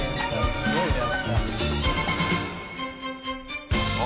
すごいね」